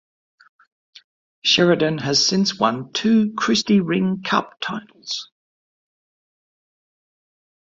Sheridan has since won two Christy Ring Cup titles.